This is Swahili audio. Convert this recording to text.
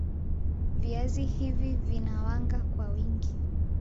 Viazi hivi vina wanga kwa wingi